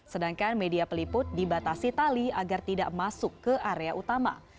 sedangkan media peliput dibatasi tali agar tidak masuk ke area utama